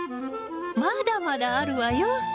まだまだあるわよ！